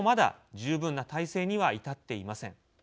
十分な体制には至っていません。